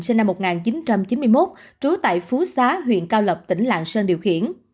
sinh năm một nghìn chín trăm chín mươi một trú tại phú xá huyện cao lộc tỉnh lạng sơn điều khiển